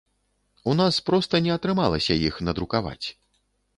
У нас проста не атрымалася іх надрукаваць.